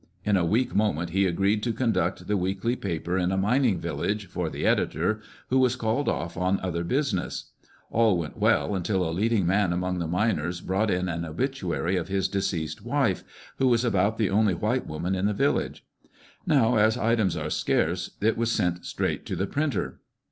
In a weak moment he agreed to conduct the weekly paper in a mining village, for the editor, who was called off on other business. Ah1 went well until a leading man among the miners brought in an obituary of his deceased wife, who was about the only white woman in the village. Now, as items are scarce, it was sent straight to the printer.